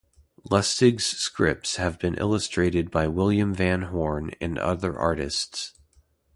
Lustig's scripts have been illustrated by William Van Horn and other artists.